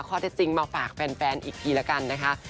ข้อเท็จจริงมาฝากแฟนอีกทีละกันนะคะ